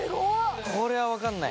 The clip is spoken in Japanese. これは分かんない。